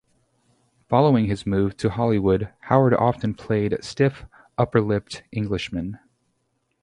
Following his move to Hollywood, Howard often played stiff upper lipped Englishmen.